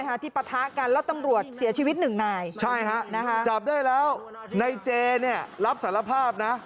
ที่ปะทะกันแล้วตำรวจเสียชีวิตหนึ่งนายใช่ฮะนะฮะจับได้แล้วในเจเนี่ยรับสารภาพนะ